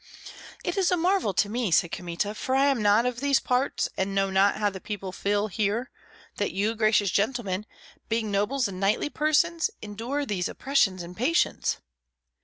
"It is a marvel to me," said Kmita, "for I am not of these parts and know not how people feel here, that you, gracious gentlemen, being nobles and knightly persons, endure these oppressions in patience."